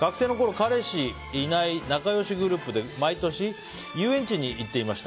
彼氏いない仲良しグループで毎年遊園地に行っていました。